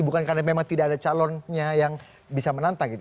bukan karena memang tidak ada calonnya yang bisa menantang gitu